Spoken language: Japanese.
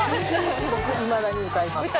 僕いまだに歌います。